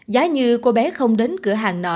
giá như cô bé không đến cửa hàng nọ